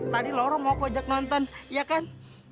tadi laura mau aku ajak nonton iya kan